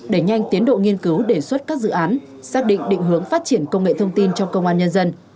đẩy nhanh tiến độ nghiên cứu đề xuất các dự án xác định định hướng phát triển công nghệ thông tin trong công an nhân dân